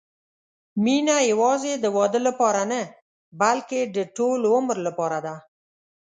مینه یوازې د واده لپاره نه، بلکې د ټول عمر لپاره ده.